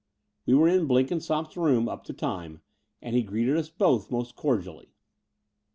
We were in Blenkinsopp's room up to time, and he greeted us both most cordially.